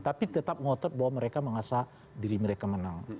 tapi tetap ngotot bahwa mereka merasa diri mereka menang